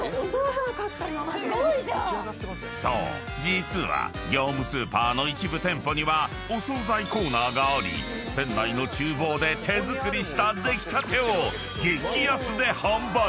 実は業務スーパーの一部店舗にはお惣菜コーナーがあり店内の厨房で手作りした出来たてを激安で販売］